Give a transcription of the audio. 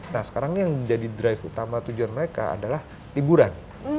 nah sekarang ini yang jadi drive utama tujuan mereka adalah liburan